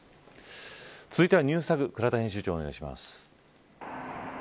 続いては、ＮｅｗｓＴａｇ倉田編集長、お願いします。